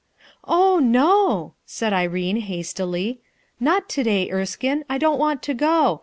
"Oh, no!" said Irene, hastily. "K t to day, Erskine; I don't want to go.